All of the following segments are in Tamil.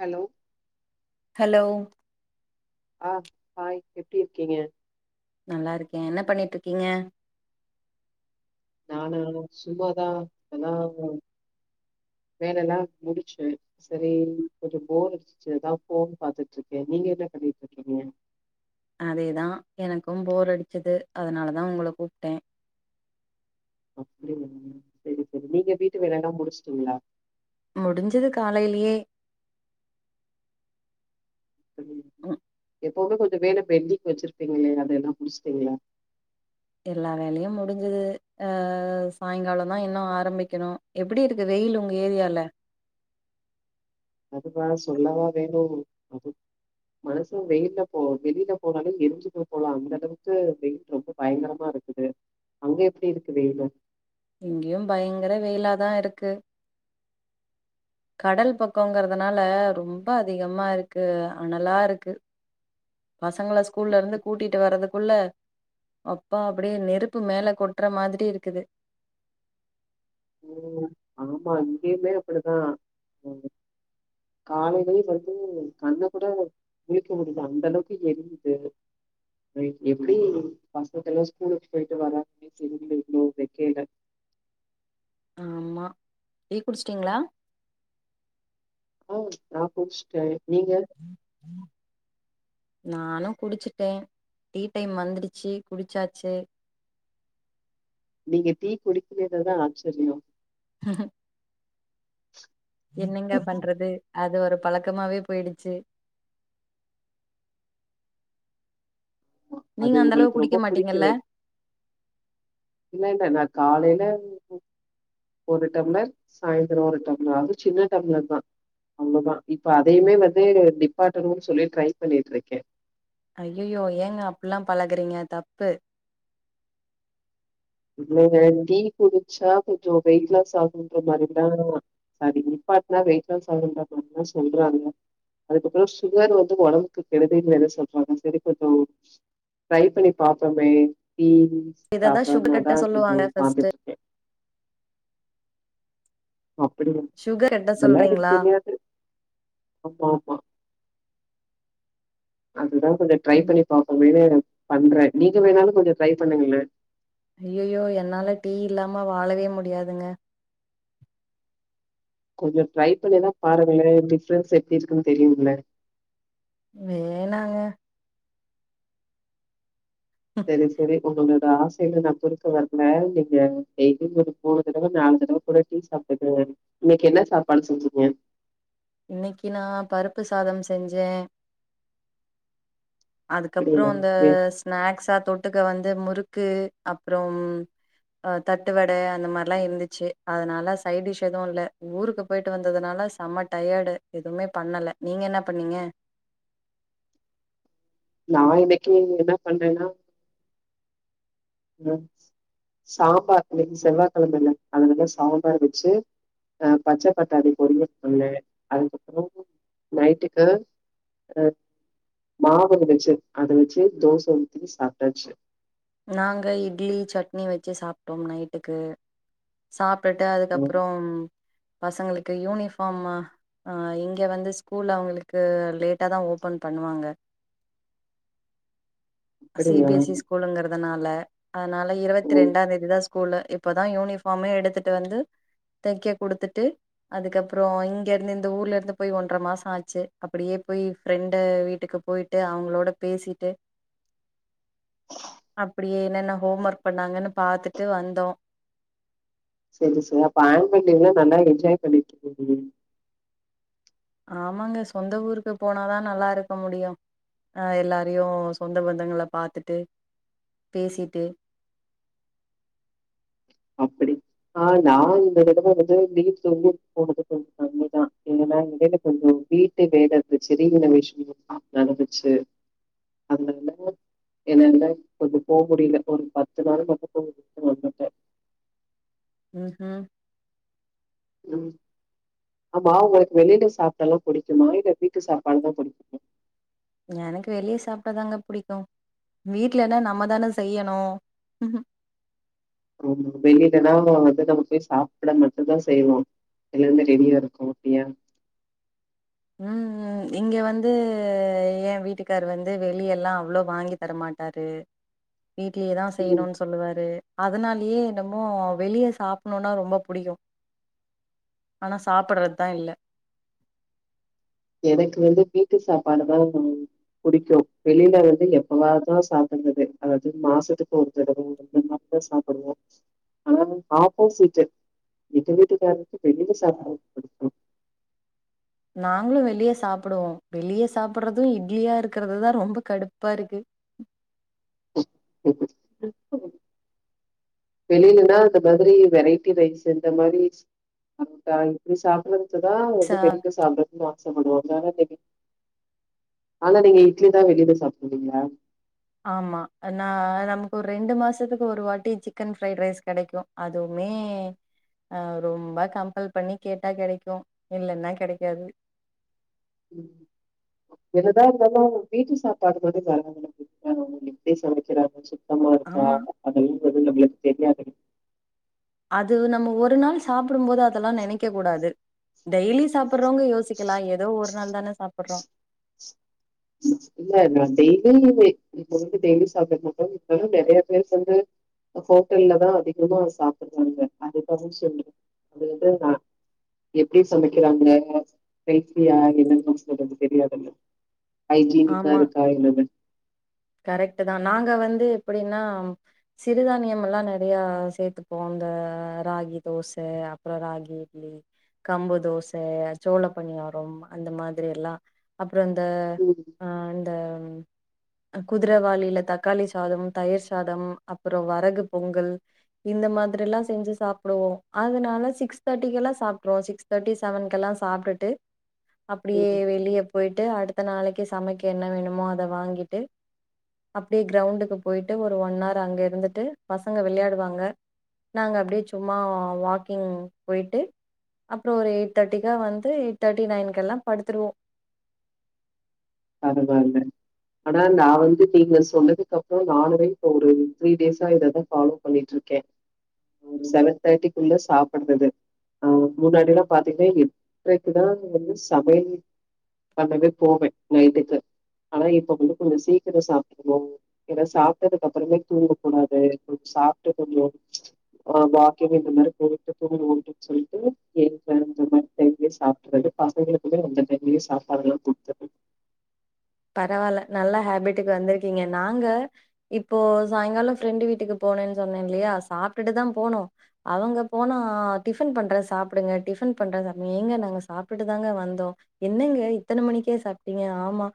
ஹலோ ஹலோ ஆஹ் ஹாய் எப்டி இருக்கீங்க நல்லா இருக்கே என்ன பண்ணிட்ருக்கீங்க நானா சும்மாதா [unintelligible] வேல எல்லா முடிச்சிட்டே சரி கொஞ்சம் போர் அடிச்சிச்சி அதா போன் பாத்துட்டு இருக்கே நீங்க என்ன பண்ணிட்ருக்கீங்க அதேதா எனக்கும் போர் அடிச்சது அதனாலதா உங்கள கூப்ட்டே அப்டியா செரி செரி நீங்க வீட்டு வேலெல்லா முடிச்சுட்டீங்களா முடிஞ்சது காலையிலயே ம் ஹம் எப்பவுமே கொஞ்ச வேல பெண்டிங் வச்சுருப்பீங்களே அத எல்லா முடிச்சிட்டீங்களா எல்லா வேலையு முடிஞ்சுது அஹ் சாயங்கால தா இன்னு ஆரம்பிக்கணு எப்டி இருக்கு வெயில் உங்க ஏரியால அதுவா சொல்லவா வேணு அது மனச வெயில்ல போ வெளியில போனாலே எரிஞ்சுடு போலா அந்த அளவுக்கு வெயில் ரொம்ப பயங்கரமா இருக்குது அங்க எப்டி இருக்கு வெயிலு இங்கேயு பயங்கர வெயிலாதா இருக்கு கடல் பக்கங்கிறதுனால ரொம்ப அதிகமா இருக்கு அனலா இருக்கு பசங்கள ஸ்கூல்ல இருந்து கூட்டிட்டு வர்றதுக்குள்ள அப்பா அப்டியே நெருப்பு மேல கொட்டுற மாதிரி இருக்குது ம் ஆமா இங்கேயுமே அப்டிதா ஹ காலைலியே [unintelligible] கண்ண கூட முழிக்க முடில அந்த அளவுக்கு எரியுது எப்டி பசங்க எல்லா ஸ்கூலுக்கு போயிட்டு வராங்கனே தெரியல இந்த வெக்கைல அ டீ குடுச்ட்டீங்ளா ம் நா குடுச்ட்டே நீங்க நானு குடுச்சுட்டே டீ டைம் வந்துடுச்சு குடுச்சாச்சு நீங்க டீ குடிக்கிறது தா ஆச்சரியொ ஹஹ [inaudible] என்னங்க பண்றது அது ஒரு பழக்கமாவே போயிடுச்சு நீங்க அது அந்த அளவு உங்களுக்கு குடிக்க ரொம்ப மாட்டீங்கல்ல புடிக்கவே இல்ல இல்ல நா காலைல ஒரு டம்ளர் சாய்ந்தரொ ஒரு டம்ளர் அது சின்ன டம்ளர் தா அவ்ளதா இப்ப அதையுமே வந்து நிப்பாட்டணுன் சொல்லி ட்ரை பண்ணிட்ருக்கே ஐயயோ ஏங்க அப்புல்லா பழகுறீங்க தப்பு இல்லங்க டீ குடுச்சா கொஞ்சொ வெயிட் லாஸ் ஆகுன்ற மாரிதா சாரி நிப்பாட்னா வெயிட் லாஸ் ஆகுன்ற மாரிதா சொல்றாங்க அதுக்கப்புறொ சுகர் வந்து ஒடம்புக்கு கெடுதின் வேற சொல்றாங்க செரி கொஞ்சொ ட்ரை பண்ணி பாப்போமே டீ இததா சாப் சுகர் கட்ட டாமாதா திருப்பி சொல்லுவாங்க ஃபர்ஸ்ட்டு உக்காந்துட்ருக்கே அப்புடி சுகர் கட்ட அதெல்லா எனக்கு சொல்றீங்களா தெரியாது ஆமா ஆமா அதுதா கொஞ்ச ட்ரை ம் பண்ணி பாப்பொமேனு பண்றெ நீங்க வேணாலு கொஞ்சொ ட்ரை பண்ணுங்களே ஐயயோ என்னால டீ இல்லாம வாழவே முடியாதுங்க கொஞ்சொ ட்ரை பண்ணிதா பாருங்களே டிஃப்ரென்ஸ் எப்டி இருக்குன்னு தெரியுல்ல வேணாங்க சேரி செரி உங்களோட ஆசைல நா குறுக்க வர்ல நீங்க டெய்லியு ஒரு மூணு தடவ நாலு தடவ கூட டீ சாப்ட்டுக்கங்க இன்னக்கி என்ன சாப்பாடு செஞ்சீங்க இன்னக்கி நா பருப்பு சாதம் செஞ்சே அதுக்கப்றோ அப்டின்னா, அந்த வே ஸ்நாக்ஸா தொட் டுக்க வந்து முறுக்கு அப்றம் அ தட்டு வட அந்த மாரிலா இருந்துச்சு அதனால சைட்டிஷ் எதுவு இல்ல ஊருக்கு போயிட்டு வந்ததுனால செம்ம டயர்டு எதுவுமே பண்ணல நீங்க என்ன பண்ணீங்க நா இன்னைக்கு என்ன பண்றேனா சாம்பார் இன்னக்கி செவ்வா கெழமல்ல அதனால சாம்பார் வச்சு அ பச்சை பட்டாணி பொரியல் பண்ணே அதுக்கப்புறோ நைட்டுக்கு அ மாவு வச்சு அத வச்சு தோச ஊத்தி சாப்டாச்சு நாங்க இட்லி சட்னி வச்சு சாப்டோம் நைட்டுக்கு சாப் பெட்டு ம். அதுக்கப்றம் பசங்களுக்கு யூனிஃபார்ம ஆ இங்க வந்து ஸ்கூல்ல அவுங்களுக்கு லேட்டாாதா ஓபன் பண்ணுவாங்க சி அப்படியா? பி எஸ் இ ஸ்கூலுங்குற அதனால அதுனால ஓ! இருவத்தி ரெண்டாந்தேதி தா ஸ் கூலு இப்பதா யூனிஃபார்மே எடுத்துட்டு வந்து தைக்க குடுத்துட்டு அதுக்கப்றோ இங்கெருந்து இந்த ஊர்ல இருந்து போய் ஒன்ற மாச ஆச்சு அப்புடியே போய் ஃப்ரெண்டு வீட்டுக்கு போயிட்டு அவுங்களோட பேசிட்டு [inaudible] அப்புடியே என்னென்ன ஹோம் ஒர்க் பண்ணாங்கன்னு பாத்துட்டு வந்தோ சரி சரி அப்ப ஆன்னுவல் லீவ் நல்லா என்ஜாய் பண்ணிட்டு இருக்க [unintelligible] ஆமாங்க சொந்த ஊருக்கு போனாதான் நல்லா இருக்க முடியும் ஆஹ் எல்லாரையும் சொந்த பந்தங்களை பாத்துட்டு பேசிட்டு அப்படி ஆஹ் நான் இந்த தடவை வந்து வீட்ல இருந்து போனது கொஞ்சம் கம்மிதான் என்னல்லா இடையில கொஞ்சம் வீட்டு வேல இருந்துச்சி சரியின்ன விஷயம் நடந்துச்சு அதனால என்னால கொஞ்சம் போ முடியல ஒரு பத்து நாள் மட்டும் போக முடியது வந்துட்டேன் உம் உம் ம் ஆமா உங்களுக்கு வெளில சாப்பிட்டதா பிடிக்குமா இல்ல வீட்டு சாப்பாடுதான் பிடிக்குமா எனக்கு வெளியே சாப்பிட்டாதாங்க புடிக்கும் வீட்லன்னா நம்மதான செய்யணும் ஆமா வெளியிலன்னா வந்து நம்ம போய் சாப்பிட மட்டும்தான் செய்வோம் எல்லருமே ரெடியா இருக்கும் அப்படியா உம் இங்க வந்து என் வீட்டுக்காரு வந்து வெளியல்லாம் அவ்வளவு வாங்கி தரமாட்டாரு வீட்லயேதான் செய்யணும்னு சொல்லுவாரு அதனாலயே என்னமோ வெளியே சாப்பிடணும்னா ரொம்ப பிடிக்கும் ஆனா சாப்படுறது தான் இல்ல எனக்கு வந்து வீட்டு சாப்பாடுதான் பிடிக்கும் வெளியில வந்து எப்பவா தான் சாப்பிடுறது அதாவது மாசத்துக்கு ஒரு தடவ இந்த மாதிரிதான் சாப்பிடுவோம் ஆனா ஆப்போசட்டு எங்க வீட்டுக்காரக்கு வெளியில சாப்பாடு பிடிக்கும் நாங்களும் வெளியே சாப்பிடுவோம் வெளியே சாப்பிடுறதும் இட்லியா இருக்கிறதுதான் ரொம்ப கடுப்பா இருக்கு [unintelligible] வெளிலன்னா இந்த மாதிரி வெரைட்டி ரைஸ் இந்த மாதிரி ஆா இப்படி சாப்பிறது அதான் ச வந்து வெளில சாப்பிடடுறது [unintelligible] [unintelligible] ஆனா நீங்க இட்லி தான் வெளில சாப்பிடுவிங்களா ஆமா நான் நமக்கு ஒரு ரெண்டு மாசத்துக்கு ஒரு வாட்டி சிக்கன் ஃப்ரைடு ரைஸ் கிடைக்கும் அதுவுமே ஆஹ் ரொம்ப கம்பல் பண்ணி கேட்டா கிடைக்கும் இல்ன்னா கிடைக்காது ம் என்னதா இருந்தாலும் வீட்டு சாப்பாடு போது [unintelligible] ஆமா [unintelligible] அது து நம்ளுக்கு தெரியாது அது நம்ம ஒரு நாள் சாப் ப்பிடும் போது அதெல்லாம் நினைக்க கூடாது டெய்லி சாப் றவங்க யோசிக்கலாம் ஏதோ ஒரு நால் தான சாப்பிடுறோம் இல்ல நான் டெய்லி இப்ப வந்து டெய்லி சாப்பி மாட்டோலும் நிறைய பேர் வந்து ஹோட்டல்லதான் அதிகமா சாப்பிடுறாங்க அதுக்காக சொல்றேன் அது வந்து நான் எப்படி சமைக்கிறாங்க ஹெல்த்தியா என்னன்னு சொல்றது தெரியாதுல்ல ஆமா ஐஜீனிக்காருக்கா [unintelligible] கரெக்ட் தான் நாங்க வந்து எப்படின்னா சிறுதானியம் எல்லாம் நிறைய சேர்த்துப்போம் இந்த ராகி தோசை அப்புறம் ராகி இட்லி கம்பு தோசை சோள பனியாரம் அந்த மாதிரி எல்லாம் அப்புறம் அந்த ம், ஆஹ் அ குதிரவாளியில தக்காளி சாதம் தயிர் சாதம் அப்புறம் வரகு பொங்கல் இந்த மாதிரி எல்லாம் செஞ்சு சாப்பிடுவோம் அதனால சிக்ஸ் தேர்ட்டிக்கெ எல்லாம் சாப்பிடுவோம் சிக்ஸ் தேர்ட்டி செவன்கெ எல்லாம் சாப்ட்டுட்டு அப்படியே ம். வெளிய போயிட்டு அடுத்த நாளைக்கு சமைக்க என்ன வேணுமோ அத வாங்கிட்டு அப்படியே கிரௌண்டுக்கு போயிட்டு ஒரு ஒன் ஹர் அங்க இருந்துட்டு பசங்க விளையாடுவாங்க நாங்க அப்படியே சும்மா வாக்கிங் போயிட்டு அப்புறம் ஒரு எயிட் தேர்ட்டிக்கா வந்து எயிட் தேர்ட்டி நைன்க எல்லாம் படுத்துருவோம் பரவாயில்ல ஆனா நான் வந்து நீங்க சொன்னதுக்கு அப்புறம் நானே இப்ப ஒரு த்ரீ டேஸா இததான் ஃபாலோ பண்ணிட்டு இருக்கேன் செவன் தேர்ட்டிக்குள்ள சாப்பிடுறது அஹ் முன்னாடி எல்லாம் பாத்தீங்கன்னா எட்ரைக்குதான் வந்து சமையல் பண்ணவே போவேன் நைட்டுக்கு ஆனா இப்ப வந்து கொஞ்சம் சீக்கிரம் சாப்பிடுவோம் ஏன்னா சாப்பிட்டதுக்கு அப்புறமே தூங்கக்க கூடாது கொஞ்சம் சாப்பிட்டு கொஞ்சம் ஹ வாக்கிங் இந்த மாதிரி போயட்டு தூங்கனும் சொல்லிட்டு இந்த மாதிரி டைம்லயே சாப்பிட்ரதுபசங்களுக்குமே அந்த டைம்லயே சாப்பாடெல்லாம் கொடுத்துரு பரவாயில்ல நல்ல ஹேப்பிட்டுக்கு வந்திருக்கீங்க நாங்க இப்போ சாயங்காலம் ஃப்ரெண்டு் வீட்டுக்கு போனேன்னு சொன்னேன் இல்லையா சாப்பிட்டுட்டுதான் போனோம் அவங்க போனா டிஃபன் பண்ற சாப்பிடுங்க டிஃபன் பண்ற சாப்பி ஏங்க நாங்க சாப்பிட்டுட்டுதாங்க வந்தோம் என்னங்க இத்தனை மணிக்கே சாப்பிட்டீங்க ஆமா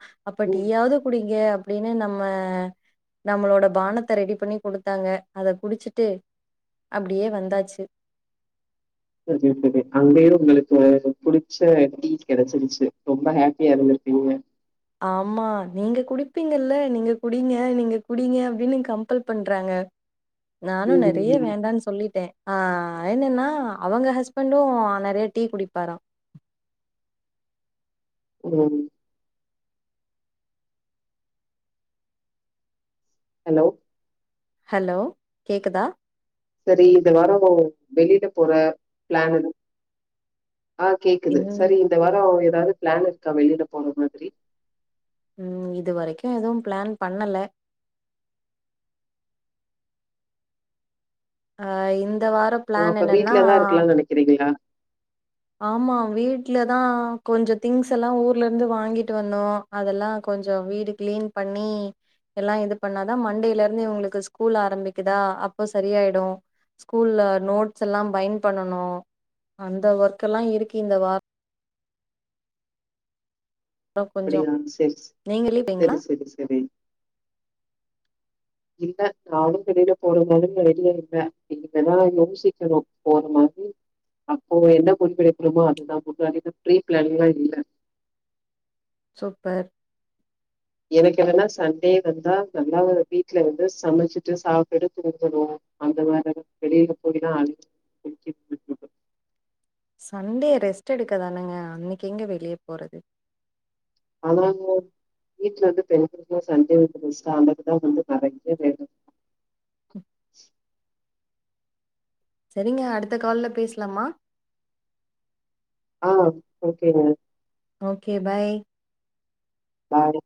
ம் அப்படீயாவது குடிங்க அப்படின்னு நம்ம நம்மளோட பானத்தை ரெடி பண்ணி குடுத்தாங்க அத குடிச்சுட்டு அப்படியே வந்தாச்சு சரி சரி அங்கயும் உங்களுக்கு ஒரு புடிச்ச டீ கிடைச்சிருச்சு ரொம்ப ஹாப்பியா இருந்திருப்பீங்க ஆமா நீங்க குடிப்பீங்கல்ல நீங்க குடிங்க நீங்க குடிங்க அப்டின்னு கம்பல் பண்றாங்க நானும் நெறைய ம் வேண்டான்னு சொல்லிட்டேன் ஆஹ் என்னன்னா அவங்க ஹஸ்பண்டும் நெறைய டீ குடிப்பாரம் உம் ஹலோ ஹலோ கேக்குதா செரி இது வர வெளியில போற பிளான் ஆஹ் கேக்குது ம் செரி இந்த வாரம் எதாவது பிளான் இருக்கா வெளியில போற மாதிரி உம் இது வரைக்கும் எதுவும் பிளான் பண்ணல ஆஹ் ஓ அப்ப வீட்டுலதான் இருக்கலாம்னு நினைக்கிறீங்களா ஆமா வீட்டுலதான் கொஞ்சம் திங்ஸ் எல்லாம் ஊர்ல இருந்து வாங்கிட்டு வந்தோம் அதெல்லாம் கொஞ்சம் வீடு கிளீன் பண்ணி எல்லாம் இது பண்ணாதான் மண்டேல இருந்து இவங்களுக்கு ஸ்கூல் ஆரம்பிக்குதா அப்போ சரியாயிடும் ஸ்கூல்ல நோட்ஸ் எல்லாம் பைண்ட பண்ணனும் அந்த ஒர்க் க்கெல்லாம் இருக்கு இந்த வாரம் கொஞ்சோ அப்படியா செரி நீங்க லீவ்ங்களா செரி செரி செரி இல்ல நானும் வெளில போற மாதிரி ஐடியா இல்ல இனிமேதா யோசிக்கணோம் போற மாதிரி அப்போ என்ன முடிவெடுக்கிறோமோ அதுதான் ஒண்ண அனு ப்ரீ பிளானிங்லாம் இல்ல சூப்பர் எனக்கு என்னான்னா சண்டே வந்தா நல்லா ஒரு வீட்டுல வந்து சமைச்சிட்டு சாப்டுட்டு தூங்கணும் அந்த மாரி வெளியில போய் தான் அழடிக்க சண்டே ரெஸ்ட் எடுக்கதானங்க அன்னைக்கு எங்க வெளிய போறது ஆமாங்க வீட்டுல இருந்து பெண்களுக்குாம் சன்டேவந்தா சமைக்கதான் வந்து நெரைய்ய வேண்டும் [unintelligible] செரிங்க அடுத்த கால்ல பேசலாமா ஆஹ் ஓக்கேங்க ஓக்கே பாய் பாய்